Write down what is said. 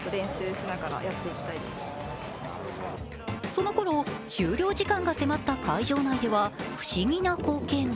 そのころ、終了時間が迫った会場内では不思議な光景が